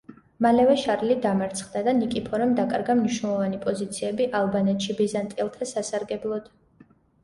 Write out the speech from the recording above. მალევე შარლი დამარცხდა და ნიკიფორემ დაკარგა მნიშვნელოვანი პოზიციები ალბანეთში ბიზანტიელთა სასარგებლოდ.